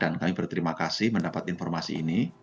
dan kami berterima kasih mendapat informasi ini